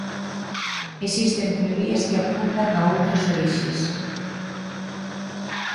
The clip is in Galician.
Existen teorías que apuntan a outras orixes.